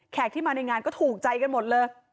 ที่มาในงานก็ถูกใจกันหมดเลย